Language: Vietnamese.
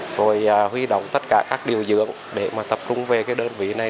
rồi huy động tất cả các điều dưỡng để tập trung về đơn vị này